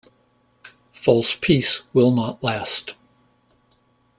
False peace will not last.